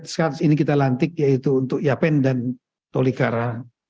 sekarang ini kita lantik yaitu untuk yapen dan tolikara